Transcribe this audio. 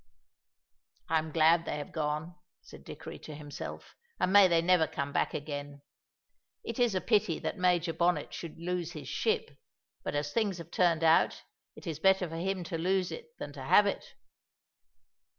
"I am glad they have gone," said Dickory to himself, "and may they never come back again. It is a pity that Major Bonnet should lose his ship, but as things have turned out, it is better for him to lose it than to have it."